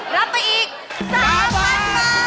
รับไปอีก๓๐๐๐บาท